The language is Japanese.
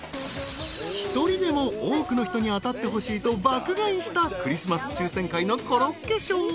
［一人でも多くの人に当たってほしいと爆買いしたクリスマス抽選会のコロッケ賞］